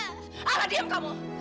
apa diam kamu